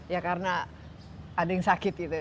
ya karena ada yang sakit gitu